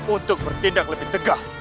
untuk bertindak lebih tegas